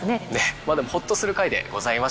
まあでもほっとする回でございました。